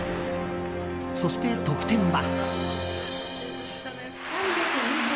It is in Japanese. そして、得点は。